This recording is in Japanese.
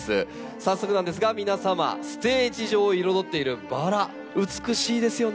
早速なんですが皆様ステージ上を彩っているバラ美しいですよね。